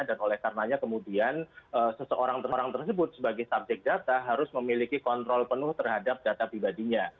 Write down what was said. dan oleh karenanya kemudian seseorang tersebut sebagai subjek data harus memiliki kontrol penuh terhadap data pribadinya